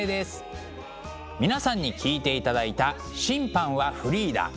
皆さんに聴いていただいた「審判はフリーダ」。